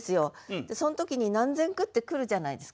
でその時に何千句って来るじゃないですか。